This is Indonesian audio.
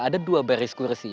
ada dua baris kursi